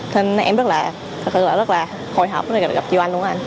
nên em rất là hồi hộp gặp chị oanh luôn anh